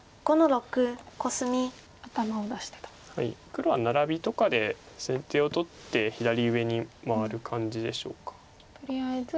黒はナラビとかで先手を取って左上に回る感じでしょうか。